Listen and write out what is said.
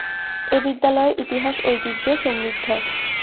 এ বিদ্যালয়ের ইতিহাস ঐতিহ্য সমৃদ্ধ।